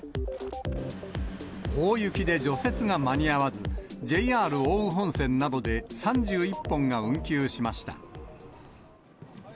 大雪で除雪が間に合わず、ＪＲ奥羽本線などで３１本が運休しました。